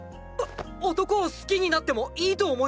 お男を好きになってもいいと思います！！